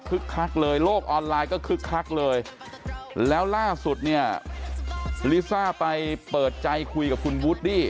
คักเลยโลกออนไลน์ก็คึกคักเลยแล้วล่าสุดเนี่ยลิซ่าไปเปิดใจคุยกับคุณวูดดี้